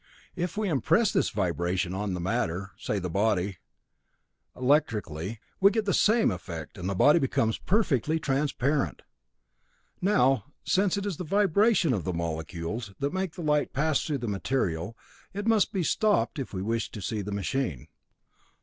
If we impress this vibration on the matter, say the body, electrically, we get the same effect and the body becomes perfectly transparent. Now, since it is the vibration of the molecules that makes the light pass through the material, it must be stopped if we wish to see the machine.